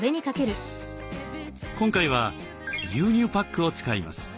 今回は牛乳パックを使います。